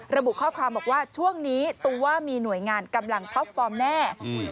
ระบุข้อความบอกว่าช่วงนี้ตูว่ามีหน่วยงานกำลังท็อปฟอร์มแน่